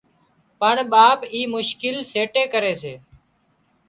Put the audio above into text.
پڻ ٻاپ اي مشڪل سيٽي ڪري سي